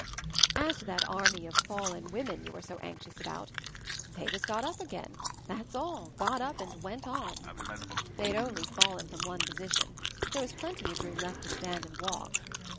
"As to that army of 'fallen women 5 you are so anxious about, they just got up again, that's all, got up and went on. They had only fallen from one position; there was plenty of room left to stand and walk.